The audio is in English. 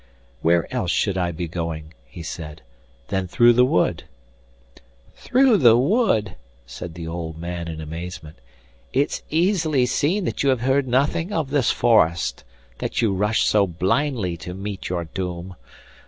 'Where else should I be going,' he said, 'than through the wood?' 'Through the wood?' said the old man in amazement. 'It's easily seen that you have heard nothing of this forest, that you rush so blindly to meet your doom.